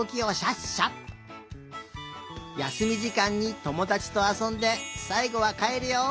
やすみじかんにともだちとあそんでさいごはかえるよ。